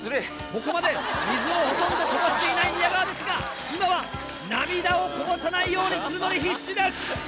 ここまで水をほとんどこぼしていない宮川ですが今は涙をこぼさないようにするのに必死です！